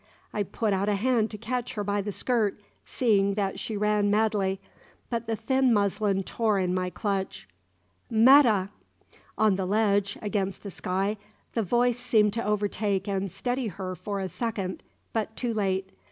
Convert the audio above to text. I put out a hand to catch her by the skirt, seeing that she ran madly; but the thin muslin tore in my clutch. "'Metta!" On the ledge, against the sky, the voice seemed to overtake and steady her for a second; but too late.